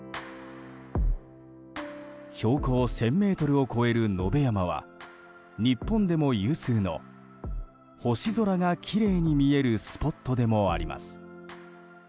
標高１０００ｍを超える野辺山は日本でも有数の、星空がきれいに見えるスポットでもあります。